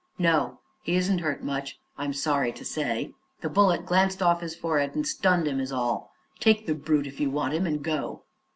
"No; he isn't hurt much, I'm sorry to say. The bullet glanced off his forehead and stunned him, that's all. Take the brute, if you want him, and go."